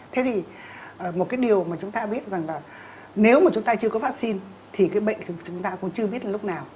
thế thì một cái điều mà chúng ta biết rằng là nếu mà chúng ta chưa có vaccine thì cái bệnh của chúng ta cũng chưa biết lúc nào